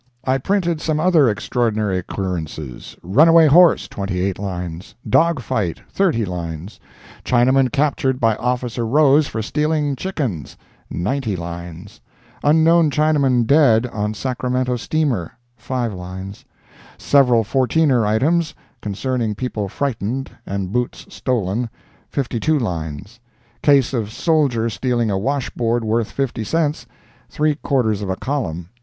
"I printed some other extraordinary occurrences—runaway horse—28 lines; dog fight—30 lines; Chinaman captured by officer Rose for stealing chickens—90 lines; unknown Chinaman dead on Sacramento steamer—5 lines; several 'Fourteener' items, concerning people frightened and boots stolen—52 lines; case of soldier stealing a washboard worth fifty cents—three quarters of a column.